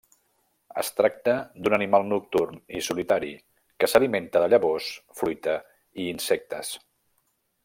Es tracta d'un animal nocturn i solitari que s'alimenta de llavors, fruita i insectes.